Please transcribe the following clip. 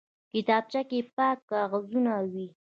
کتابچه کې پاک کاغذونه وي